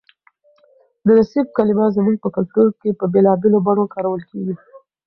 د نصیب کلمه زموږ په کلتور کې په بېلابېلو بڼو کارول کېږي.